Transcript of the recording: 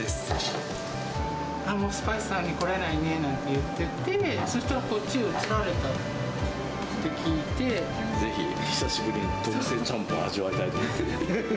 もう、すぱいすさんに来れないねなんて言ってて、そしたらこっちへ移らぜひ、久しぶりに特製ちゃんぽんを味わいたいと思って。